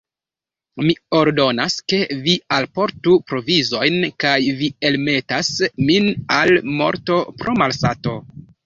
Mi ordonas, ke vi alportu provizojn, kaj vi elmetas min al morto pro malsato!